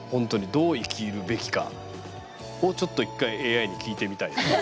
どう生きるべきかをちょっと一回ＡＩに聞いてみたいですね。